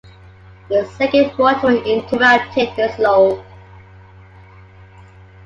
The Second World War interrupted this lull.